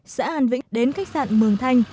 xã hàn vĩnh đến khách sạn mường thanh